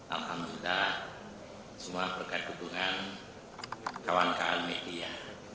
alhamdulillah semua berkat dukungan kawan kawan media